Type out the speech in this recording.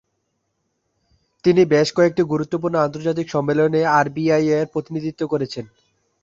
তিনি বেশ কয়েকটি গুরুত্বপূর্ণ আন্তর্জাতিক সম্মেলনে আরবিআই-এর প্রতিনিধিত্ব করেছেন।